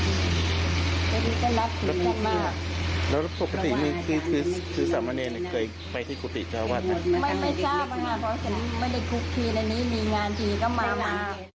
ไม่ไม่ทุกทีในนี้มีงานที่นี่ก็มา